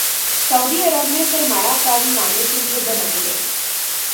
سعودی عرب میں سرمایہ کاری لانے کے لیے بنائے گئے